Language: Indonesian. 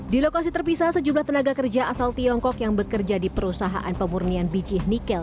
di lokasi terpisah sejumlah tenaga kerja asal tiongkok yang bekerja di perusahaan pemurnian bijih nikel